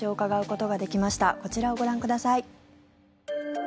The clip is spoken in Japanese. こちらをご覧ください。